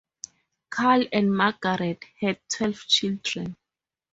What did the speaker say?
Carl and Margaret had twelve children.